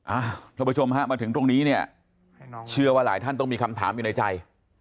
ท่านผู้ชมฮะมาถึงตรงนี้เนี่ยเชื่อว่าหลายท่านต้องมีคำถามอยู่ในใจ